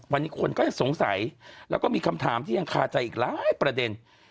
วันนี้คนก็ยังสงสัยแล้วก็มีคำถามที่ยังคาใจอีกหลายประเด็น